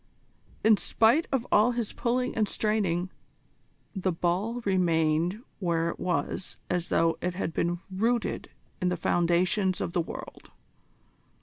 In spite of all his pulling and straining, the ball remained where it was as though it had been rooted in the foundations of the world.